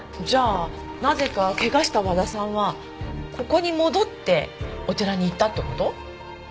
じゃあなぜか怪我した和田さんはここに戻ってお寺に行ったって事？